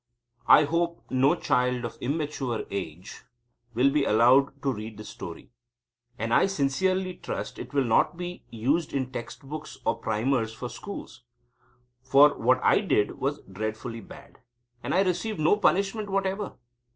I hope no child of immature age will be allowed to read this story, and I sincerely trust it will not be used in text books or primers for schools. For what I did was dreadfully bad, and I received no punishment whatever.